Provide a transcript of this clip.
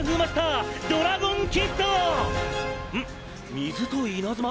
水と稲妻？